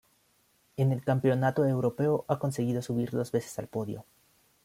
En el Campeonato Europeo ha conseguido subir dos veces al podio.